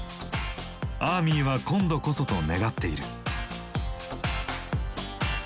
アーミーは今度こそと願っている。